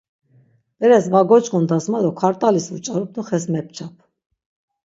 Beres va goç̆k̆ondas ma do kart̆alis vuçarup do xes mepçap.